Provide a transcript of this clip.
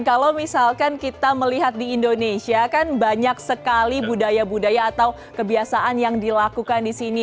kalau misalkan kita melihat di indonesia kan banyak sekali budaya budaya atau kebiasaan yang dilakukan di sini